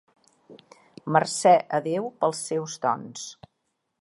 Mercè a Déu pels seus dons.